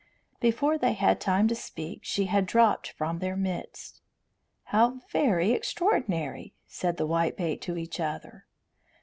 Before they had time to speak she had dropped from their midst. "How very extraordinary!" said the whitebait to each other.